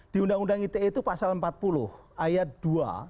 di undang undang ite itu pasal empat puluh ayat dua